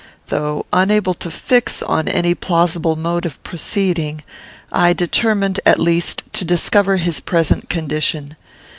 Though unable to fix on any plausible mode of proceeding, I determined, at least, to discover his present condition.